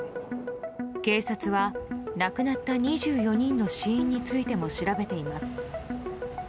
警察は、亡くなった２４人の死因についても調べています。